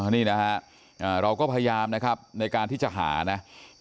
นี่นะฮะเราก็พยายามนะครับในการที่จะหานะ